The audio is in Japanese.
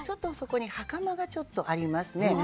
そこにはかまがちょっとありますね。